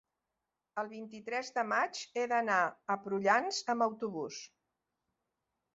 el vint-i-tres de maig he d'anar a Prullans amb autobús.